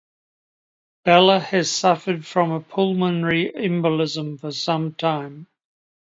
Bella has suffered from a pulmonary embolism for some time